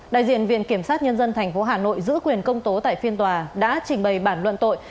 đại diện viện kiểm sát nhân dân tp hà nội giữ quyền công tố tại phiên tòa đã trình bày bản luận tội